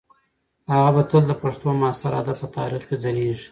هغه به تل د پښتو د معاصر ادب په تاریخ کې ځلیږي.